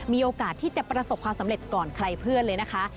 มีโอกาสที่จะประสบความสำเร็จก่อนใครเพื่อนเลยนะคะ